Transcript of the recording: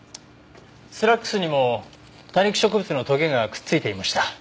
スラックスにも多肉植物のトゲがくっついていました。